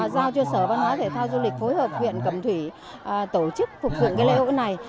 giao cho sở văn hóa thể thao du lịch phối hợp huyện cẩm thủy tổ chức phục dựng lễ hội này